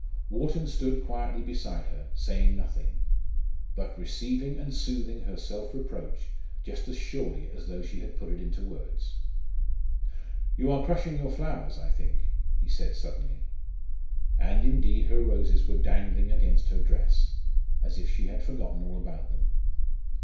Wharton stood quietly beside her, saying nothing, but receiving and soothing her self reproach just as surely as though she had put it into words. "You are crushing your flowers, I think," he said suddenly. And indeed her roses were dangling against her dress, as if she had forgotten all about them.